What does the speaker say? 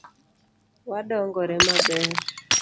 Wadongore maber.